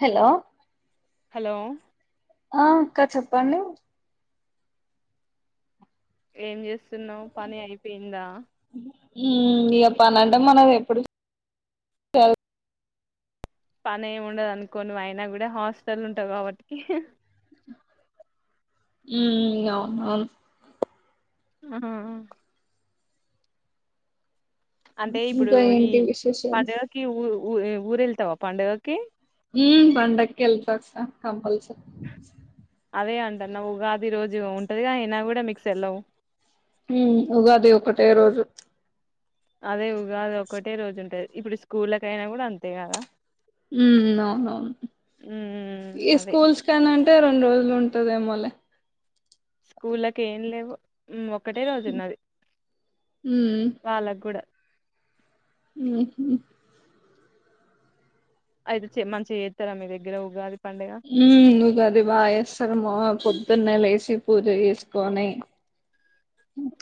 Hello hello ఆ అక్క చెప్పండి ఏం చేస్త స్తున్నావు పని అయిపోయిందా ఊ ఇగ పని అంటే మనది ఎప్పుడు చే పని ఏమి ఉండదు అనుకో నువు అయినా కూడా హాస్టల్ ఉంటావు కాబట్టి ఉ అవును అవును ఆ అంటే ఇప్పుడు ఇంకా ఈ ఏంటి విశేషాలు పండుగకి ఊఊ ఊరెల్ వస్తావా పండగకి ఉ పండక్కి ఎల్తా అక్కా కంపల్సరీ అదే అంటే టున్నవు ఉగాది రోజు ఉంటది గా అయినా కూడా మీకు సెలవు ఉ ఉగాది ఒకటే రోజు అదే ఉగాది ఒకటే రోజు ఉంటది ఇప్పుడు స్కూళ్ళ కైయినా కూడా అంతేకద ఉ అవునవును ఉమ్ ఈ అదే స్కూల్స్ కన్నాంటే రెండు రోజులు ఉంటద ఏమోళ స్కూళకి ఏం లేవు ఒకటే రోజు ఉన్నది వాళ్ళకు కూడా ఉ అయితే మంచి చేస్తారా మీ దగ్గర ఉగా ఉ ఉగాది బాగా చెస్తార మా పొద్ తున్నలేసి పూజ చేసుకొని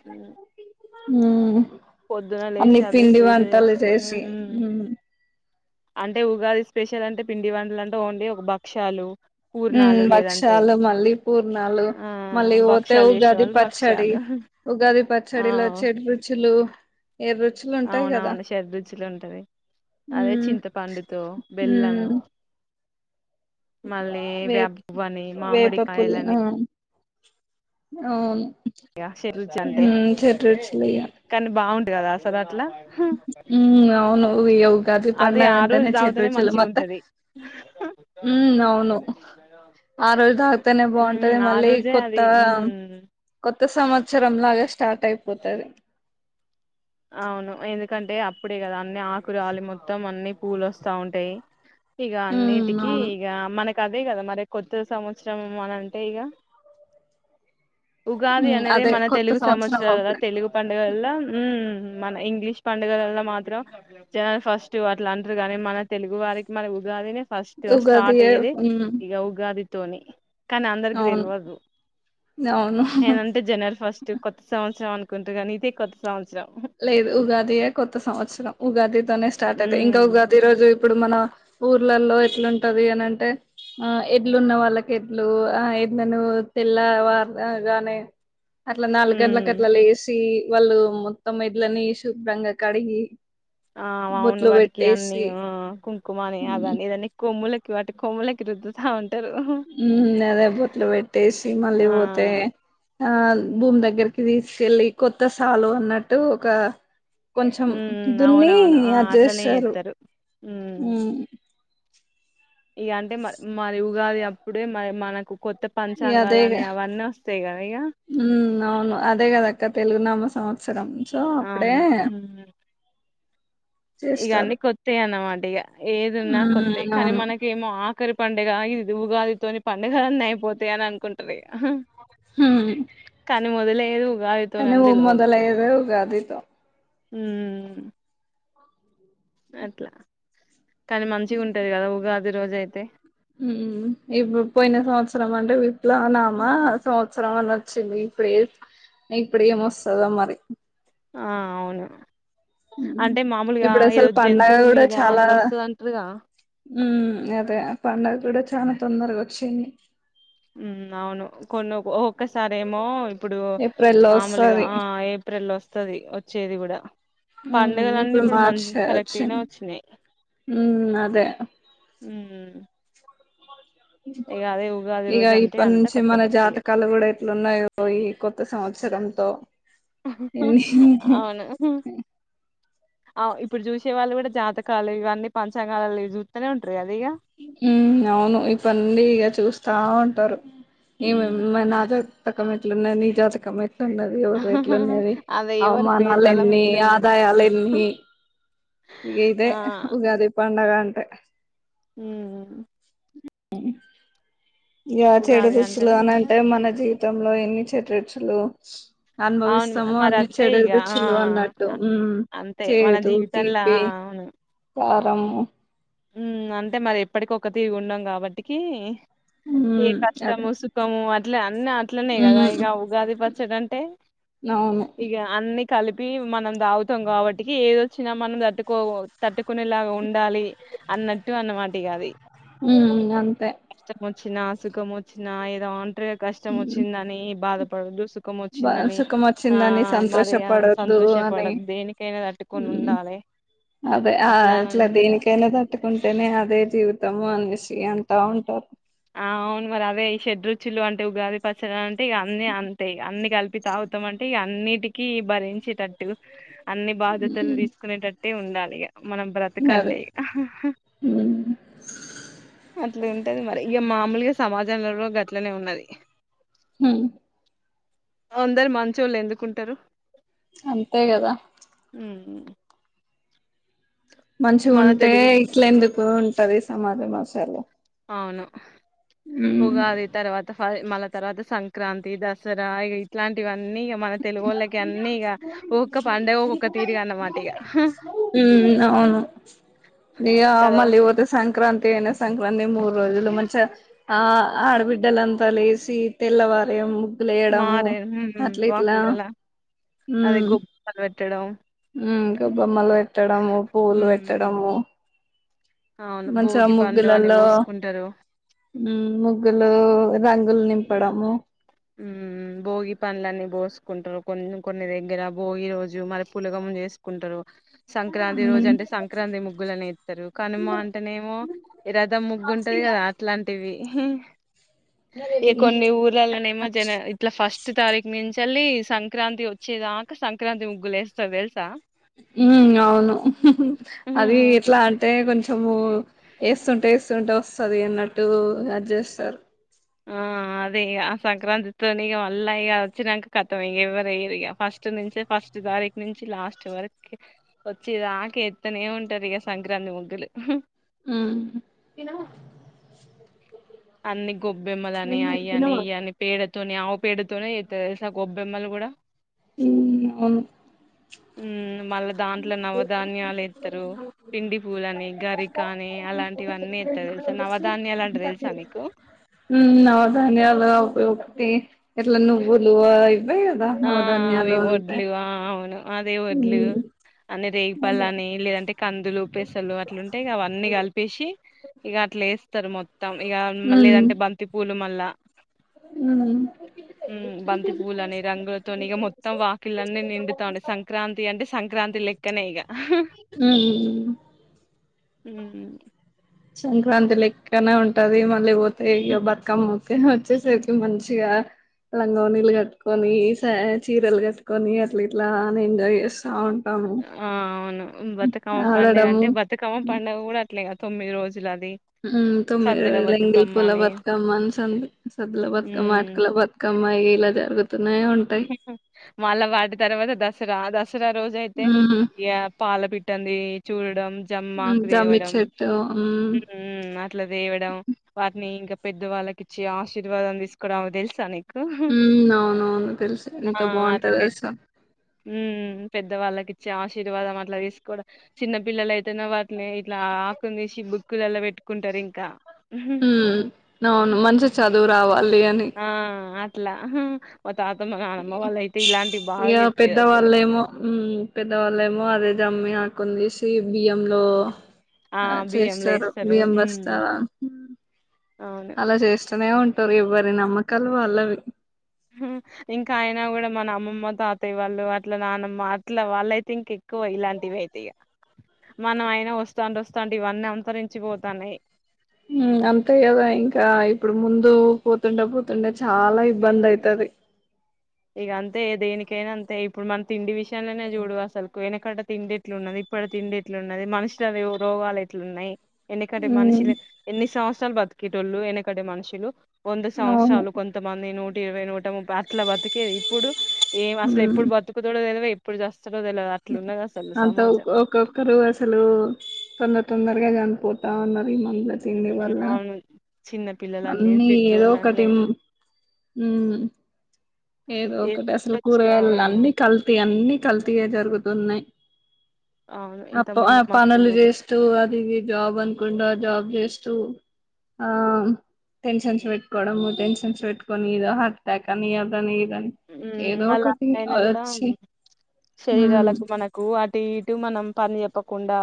ఆ హ పొద్దున లేచి అదే పూజ చేసుకొని చేసి ఉమ్ అంటే ఉగాది స్పెషల్ అంటే పిండి వంటలు అంటే ఓన్లీ ఒక భక్షాలు ఉ పూర్ణాలు లేదంటే భక్షాలు మళ్ళీ పూర్ణాలు ఆ మళ్ళీ పోతే భక్షాలు ఉగాది చేసేవాళ్ళు పచ్చడి భక్షాలు ఉగాది ఆ పచ్చడిలో చెడ్ రుచులు ఏడు రుచులు ఉంటాయి కదా అవునవును షాడ్రుచులు ఉంటుంది అదే ఉమ్ చింతపండుతో బెల్లం ఉమ్ మళ్ళీ వేప్ వబవని మామిడికాయలని అవు ఇర అంటే రుచులు కానీ బాగుంట కదా అసలు అట్లా ఉ అవును ఉగాది అది పడుగ ఆ రోజు అంటనే చెట్ తాగుతనే రజులు మంచిగా మత్త ఉంటది ఉ అవును ఆ రోజుాక్తనే ఉమ్ బాగుంటది ఆ మళ్ళీ రోజే కొత్త అది ఉమ్ కొత్త సంవత్సరం లాగా స్టార్ట్ అయిపోతుంది అవును ఎందుకంటే అప్పుడే కదా అన్ని ఆకుర ఆలు మొత్తం అన్ని పూలు వస్తా ఉంటాయి ఇక ఉమ్ నీటికి అవును ఈ మన కదే కదా మరి కొత్త సంవత్సరం అన అంటే ఇక ఉగాది ఉమ్ అనేది అదే మన కొత్త తెలుగు సంవత్సరం సంవత్సరాల అప్పుడే తెలుగు పండుగల్ల ఉ మన ఇంగ్లీష్ పండుగలల్ల మాత్రం జనాలు ఫస్ట్ అట్లా అంటారు కానీ మన తెలుగు వారికి మన ఉగాదిని ఫస్ట్ స్టార్ట్ ఉగాదియే అయ్యది ఉమ్ ఈక ఉగాది ధోని కానీ అందరికి అవును తెలియదు అవును నేనంటే జనవరి ఫస్ట్ కొత్త సంవత్సరంనికి కుంటారుగానీ ఇదతే కొత్త సంవత్సరం లేదు ఉగాదియే కొత్త సంవత్సరం ఉగాదితోనే స్టార్ట్ అవుతయి ఇంకా ఉమ్ ఉగాది రోజు ఇప్పుడు మన ఊర్లలో ఎట్లుంటది అనింటే ఆ ఎడ్లు ఉన్న వాళ్ళకి ఎడ్లు ఆ ఎడ్ నువు తెల్లవారు గానే అట్లా నాలుగు ఉమ్ గంటలలకు అట్లా లేసి వాళ్ళు మొత్తమ్మ ఇద్లని శుభ్రంగా కడిగి ఆ అవును బొట్లు వాటికి అన్ని పెట్టేసి కుంకుమని ఉమ్ అదని ఇదన్న కొమ్ముల కివా అ కొమలకి రదు అదే బొట్లు పెట్టేసి మళ్ళీ ఆ పోతే ఆ భూమి దగ్గరికి తీసుకెళ్ళి కొత్త సాలు అన్నట్టు ఒక కొంచెం ఉమ్ దున్ని అవునవును ఆ అది అట్లనే చేస్తారు చేత్తరు ఇక అంటే మ మరి ఉగాది అప్పుడే మరి మనకు కొ ఈ అదేగ ఇగ ఉ అవును అదే అద కా తెలుగు నామ సంవత్సరం చో అప్పుడే అవును ఇక అన్ని చేస్తారు కొత్తాయి అన్నమాట ఇక ఏదిన్నా కొత్తాయి ఉమ్ కానీ అవును మనకేమో ఆఖరి పండుగ ఇదిది ఉగాదితోని పండుగ అన్నీ అయిపోతాయి అని అనుకుంటారు కానీ మొదలే లేవు అవును మొదలైతే ఉగాది తో హమ్ అట్లా కానీ మంచిగా ఉంటది కదా ఉగాది రోజ అయితే ఉమ్, ఇప్పుడు పోయిన సంవత్సరం అంటే విప్లానామా సంవత్సరం అని వచ్చింది ఇప్పుడ ఇప్పుడ ఏమొస్తుందో మరి ఆహ్ అవును అంటే మామూలుగా ఇప్పుడు అసలు ఏదో పండగ జంతువు కూడా మీద చాలా అట్లా వస్తుంది అంటారుగా ఉమ్ అదే పండగ కూడా చాలా తొందరగా వచ్చింది హమ్ అవును కొన్న ఒక్కసారిేమో ఇప్పుడు ఏప్రిల్ లో మామూలుగా వస్తది ఏప్రిల్ లో వస్త వస్తుది వచ్చేది కూడా పండుగలన్నీ ఇప్పుడు మంచి కరెక్ట్ మార్చయచ్చు గానే వచ్చినాయి హమ్ అదే హమ్ ఇక రోజు అంటే ఇప్పటి అంతా నుంచి కొత్త మన కొత్త ఇగ జాతకాలు కూడా ఎట్లు ఉన్నాయో ఈ కొత్త సంవత్సరం అసలేంతో అవును ఇప్పుడు చూసే వాళ్ళు కూడా జాతకాలు ఇవన్నీ పంచాంగాలు చూస్తూనే ఉంటరూ ఉమ్ అవును ఈ వన్నీ ఈగ చూస్తా ఉంట ఉంటరు ఏ హ్మ్. మ నాజ [unintelligible] ఖతం యిట్లనే నీ జాతకం ట్న్నది ఎవేట్లు ఉన్నది అదే ఎవరి పేరు అవమానాలు బలం ఎన్ని ఎట్లుందని ఆదాయాలు ఎన్ని ఇ ఆ ఇదే ఉగాది పండగ అంతే హమ్ అ [inaudible] ఇ చెడు ఉగాది దుస్తులు అంటేనే అంతా అనింటే మన జీవితంలో ఎన్ని చె లు [unintelligible] అవును అనుభవిస్తాము మరి అన్ని అంతే చెడ ఇగ ఆ రచ్చులు అన్నట్టు ఆ! అంతే మన చేయదు జీవితంలా తీపి కారం హమ్, అంటే మరి ఎప్పటికి ఒక తీరు ఉండం కాబట్టికి ఏ ఉమ్ అదే కష్టము సుఖము అది ఇట్ల అన్ని అట్లనేయి కదా ఇక ఉమ్ ఉగాది పచ్చడి అంటే అవును ఇక అన్ కలిపి మనం తాగుతాం కాబట్టికి ఏదొచ్చినా మనం తట్టుకో తట్టుకునేలాగా ఉండాలి అన్నట్టు అన్నమాటి కా అది ఉమ్ అంతే కష్టం వచ్చినా సుఖం వచ్చ నా ఏదో కష్టం ఉమ్ వచ్చిందని బాధ ప ం బా వచ్చిందని సుఖం ఆ వచ్చిందని మరి సంతోషపడద్దు అని సంతోషపడద్దు దేనికైనా తట్టుకొని ఉండాలి అదే ఆ అట్లా అని ఇట్లా అంటారుగా దేనికైనా తట్టుకుంటేనే అదే జీవితము అని ఎంత ఉంటారు ఆ అవును మరి అదే చెషడ్రుచులు అంటే ఉగాది పచ్చడి అంటే ఇ అన్నిీ అంతేయి అన్ని కలిపి తాగుతాం అంటే ఇక అన్నిటికీ భరించేటట్టు అన్ని బాధ్యతలు ఉమ్ తీసుకునేటట్టు అయితే ఉండాలిగా మనం అదే బ్రతకంటే ఉమ్ అట్లా ఉంటేది మరి ఇక మామూలుగా సమాజంలో గట్లనే ఉన్నది హ అందరు మంచోళ్ళు ఎందుకుంటారు అంతే కదా అఓ మంచిగా ఉంటే తెలుగు ఇట్ల ఎందుకు ఉంటది సమాజ అదే మాసాల అవును పోగా అది తర్వాత మళ్ళా తర్వాత సంక్రాంతి దసరా ఇ ఇట్లాంటివన్నీ మన తెలుగు వాళ్ళ హ తీరుగా అన్నమాట ఇగ అవును ఇ కదా మళ్ళీవతే సంక్రాంతి అనా సంక్రాంతి మరు రోజులు మంచిగా ఆ ఆడబిడ్డలంతా లేసి తెల్లవారే వేయడము మారే అట్ల ఇట్లా వాకిలలా అదే గొబ్బలు పెట్టడం గబ్బమ్మలు పెట్టడం పూలు హ్మ్ పెట్టడం అవును మంచిగా భోగి పండ్లు అని ముగ్గులలో పోసుకుంటారు ముగ్గులు రంగులు నింపడము ఉ భోగి పండ్లన్నీ పోసుకుంటారు కొన్ని కొన్ని దగ్గర భోగి రోజు మరి పులగమ్మ చేసుకుంటారు సంక్రాంతి రోజు హ్మ్ అంటే సంక్రాంతి ముగ్గులని ఇస్తారు కానిమ అంటేనేమో రథం ముగ్గు ఉంటది కదా అట్లాంటివి ఈ కొన్ని ఊర్లలోనే ఇట్లా ఫస్ట్ తారీఖ నుంచి తల్లి సంక్రాంతి వచ్చేదాకా సంక్రాంతి ముగ్గులే వేస్తారు తెలుసా ఉ అవును అది హ్మ్. ఎట్లా అంటే కొంచము వేస్తుంటే వేస్తుంటే వస్తుది అన్నట్టు అజ చేస్తారు ఆ అదేక ఆ సంక్రాంతితో ఇ మళ్ళీ ఇక వచ్చినాక కతం ఇక ఎవరుయ్యరు ఇక ఫస్ట్ నుంచే ఫస్ట్ తారీఖు నుంచి లాస్ట్ వరకు వచ్చి ఆక ఎత్తనే ఉంటారు ఇక సంక్రాంతి ముగ్గులు ఉమ్ అన్ని గొబ్బెమ్మల అని అయ అని అని పేడచ్చ ఆవు పేడతోస గొబ్బెమ్మలు కూడా ఇ అవును ఉమ్ మళ్ళా దాంట్లో నవధాన్యాలు ఇస్తారు పిండి పూల అని గరికా అని అలాంటివన్నీ ఎస్తారు తెలుసా నవధాన్యాలు అంటే తెలుసా మీకు ఉ నదని పయ మే ఎలా నువవులు బయదా ఆ అవదాన్యలు అంత ద వడ్లు అ రేగిపల్ల అని లేదంటే కందులు పెసలు అట్లుంటాయి అవన్నీ కలిపేసి ఇగ అట్ల వేస్తారు మొత్త ఇక హ్మ్ లేదంటే బంతి పూలు మ అలా హ్మ్ బంతిపూలు అనే రంగులతోనిక మొత్తం వాకిలన్నీ నిండుతాయి సంక్రాంతి అంటే సంక్రాంతి లెక్కనే ఇగ ఉ ఉమ్ సంక్రాంతి లెక్కన ఉంటది మళ్ళీ ఇగ బతుకమ్మ వచ్చేసరికి మంచిగా లంగా వోణీలు కట్టుకొని చీరలు కట్టుకొని అట్లా ఇట్లా ఎంజాయ్ చేస్తా ఉంటాము ఆ అవును బతుకమ్మ పండుగ ఆడడము అంటే బతుకమ్మ పండుగ కూడా అట్లే ఇక తొమ్మిది రోజులు అది తొమ్మిది సద్దుల రోజుల బతుకమ్మ ఎంగిలిపూల అని బతుకమ్మ, సద్దుల బతుకమ్మ, హ్మ్ అటుకుల బతుకమ్మ. ఇలా జరుగు మళ్ళా వాటి తర్వాత దసరా దసరా దసరా రోజు అయితే ఉమ్ ఇ పాల పిట్టనీ చూడడం జమ్మాకు జమ్మి తేవడం చెట్టు అట్లా తేవడం వాటిని ఇంకా పెద్దవాళ్ళకి ఇచ్చి ఆశీర్వాదలు తీసుకోవడం అవి తెలుసా నీకు ఉ అవునవును తెలుసు ఎంత ఆ అట్లా బాగుంటది పెద్ద తెలూసా హ్మ్ పెద్దవాళ్ళకి ఇచ్చే ఆశీర్వాదం అట్లా తీసుకోవడం చిన్న పిల్లల అయితే వా ఇట్లా ఆకుని తీసి కుల్లల్ల పెట్టుకుంటారు ఇంకా ఉ అవును మంచి చదువు రావాలి అని ఆ ట్లా మా తాతమ్మ నానమ్మ వాళ్ళ అయితే ఇలాంటి బాగా చెప్పేది అసలు పెద్దవాళ్ళ ఏమో అది జమ్మి ఆకుని తీసి బియ్యంలో ఆ బియ్యంలో చేస్తారు వేస్తారు బియ్యం ఉమ్ బస్తాల అవును అలా చేస్తనే ఉం ఎవరి నమ్మకాలు వాళ్ళవి ఇంకా అయినా కూడా మన అమ్మమ్మ తాతయ్య వాళ్ళు అట్ల నానమ్మ అట్లా వాళ్లయితే ఇంకా ఎక్కువ ఇలాంటివి అయితే మనం అయినా వస్తాంటె వస్తాంటే ఇవన్నీ అంతరించిపోతాన్నాయి అంతే కదా ఇంకా ఇప్పుడు ముందు పోతుంటే పోతుంటే ఇగ అంతే దేనికైనా ఇప్పుడు మన తిండి విష లనే చూడు అసలు పోయిన కాడ తిండిేట్లు ఉన్నది ఇప్పుడు తిండిట్లు ఉన్నది మనుషుల రోగాలు ఎట్లు ఉన్నాయి ఎన్నికంటే ఉమ్ మనుషిలు ఎన్ని సం బతికిేటోలు ఎనేనక్కడ మనుషులు వంద అవును సంవత్సరాలు కొంత నూ ఇవై నటి అట్లా బతికేది ఇప్పుడు ఏం అసలు ఉమ్ ఎప్పుడు బతుకుతూడ లే జా అంత ఒక్కొక్కరు అసలు తొందర తొందర గా జనపో పోతా ఉ మమలా చండడి ఉమ్, వాల్ల అవును చిన్న పిల్లలుని లేదు పెద్దోళ్ళ అని లేదు ఉ ఏదో ఏ ఒకటి అసలు వచ్చి- ఆ కూరగాయల అన్ని కల్తీ అన్ని కల్తీయే జరుగు తున్నాయి అవును ఇంత అప్ప అ ముందు పనులు మనుషులు చేస్తూ అది జాబ్ అనకుండా జాబ్ జస్ట్ ఆ టెన్షన్స్ పెట్టుకోవడం టెన్షన్ పెట్టుకొని ఇలా హార్ట్ అటాక్ అని అనీ ఉ మళ్ళా అయినా కూడా వచ్చి ఉమ్ శరీరాలకు మనకు అటు ఇటు మనం పని చెప్పకుండా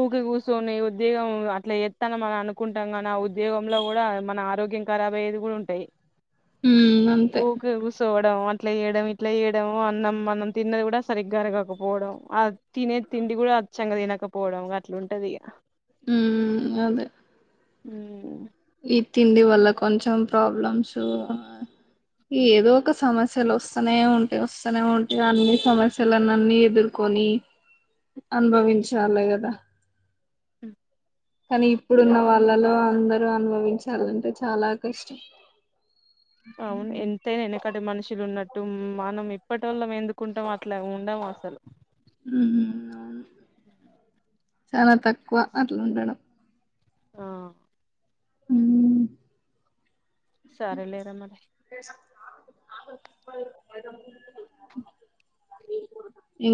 ఊరికి కూర్చొని ఉద్యోగం అట్లా ఎత్తన మనం అనుకుంటాం నీ ఆ ఉద్యోగంలో కూడా మన ఆరోగ్యం ఖరాబ్ అయ్యేది కూడా ఉంటాయి ఉ అంతే పోవడం అట్లా ఏయడం ఇట్లా ఏయడం అన్నం మనం తిన్నది కూడా సరిగ్గా అరగకపోవడం అ తినేది తిండి కూడా అచ్చంగా తినకపోవడం అట్లుంటది ఉ అదే ఉ ఈ తిండి వల్ల కొంచెం ప్రాబ్లమ్స్ ఈ ఏదో ఒక సమస్యలు వస్తూనే ఉంటేయి వస్త తనే ఉంటయి అన్ని సమస్యలు వాల నన్నీ ఎదుర్కొని అనుభవించాల కదా ఉ కానీ ఇప్పుడున్న వాళ్ళలో అందరు అనుభవించాలంటే చాలా కష్టం అవును ఎంతైనా ఎనకడ మనుషులు ఉన్నట్టు మనం ఇప్పటి వల్లం ఎందుకుంటాం అట్లా ఉండం అసలు అవును చాలా తక్కువ అట్లా ఉండడం ఆ ఉ సరే లేరా మరి [inaudible]